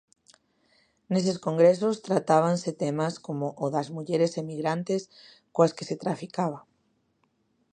Neses congresos, tratábanse temas como o das mulleres emigrantes coas que se traficaba.